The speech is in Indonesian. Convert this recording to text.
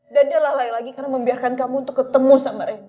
dan dia lalai lagi karena membiarkan kamu untuk ketemu sama rena